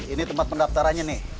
ini tempat pendaftarannya nih